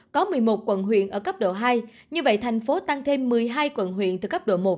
có một mươi một quận huyện ở cấp độ hai như vậy thành phố tăng thêm một mươi hai quận huyện từ cấp độ một